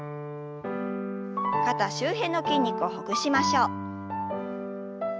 肩周辺の筋肉をほぐしましょう。